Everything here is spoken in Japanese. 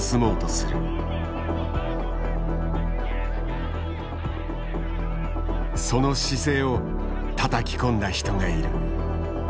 その姿勢をたたき込んだ人がいる。